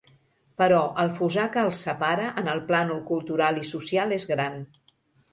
Però el fossar que els separa en el plànol cultural i social és gran.